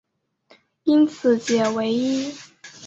因此解唯一。